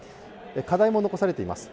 課題も残されています。